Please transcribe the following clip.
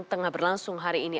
tengah berlangsung hari ini